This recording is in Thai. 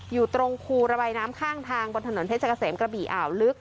อยู่ตรงคูระบายน้ำข้างทางบนถนนเพชรเกษมกระบี่อ่าวลึก